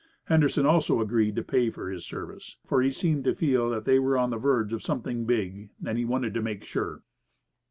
Henderson also agreed to pay for his service, for he seemed to feel that they were on the verge of something big, and he wanted to make sure.